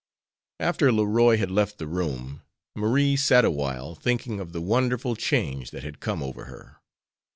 After Leroy had left the room, Marie sat awhile thinking of the wonderful change that had come over her.